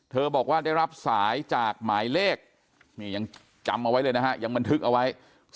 บอกว่าได้รับสายจากหมายเลขนี่ยังจำเอาไว้เลยนะฮะยังบันทึกเอาไว้